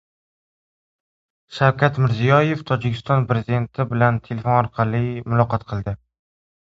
Shavkat Mirziyoyev Tojikiston prezidenti bilan telefon orqali muloqot qildi